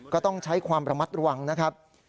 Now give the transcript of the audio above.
ก็ต้องใช้ความระมัดระวังนะครับ